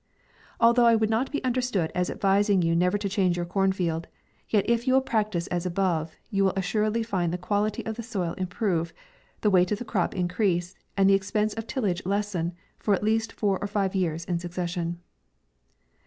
Although I would not be understood as ad vising you never to change your corn field, yet if you will practice as above, you will as suredly find the quality of the soil improve, the weight of the crop increase, and the ex pense of tillage lessen, for at least four or five years in succession.